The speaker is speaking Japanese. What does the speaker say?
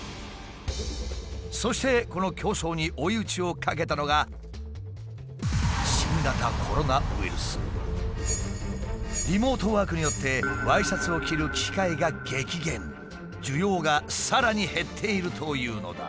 そしてこの競争に追い打ちをかけたのがリモートワークによって需要がさらに減っているというのだ。